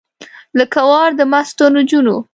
لکه ورا د مستو نجونو